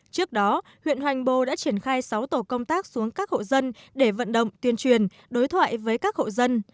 trước đó huyện hoành bồ đã triển khai sáu tổ công tác xuống các hộ dân để vận động tuyên truyền đối thoại với các hộ dân